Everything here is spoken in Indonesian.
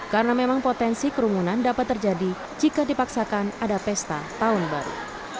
karena memang potensi kerumunan dapat terjadi jika dipaksakan ada pesta tahun baru